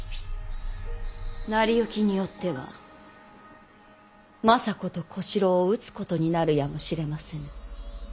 成り行きによっては政子と小四郎を討つことになるやもしれませぬ。